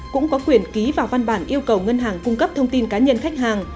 cũng có quyền ký vào văn bản yêu cầu ngân hàng cung cấp thông tin cá nhân khách hàng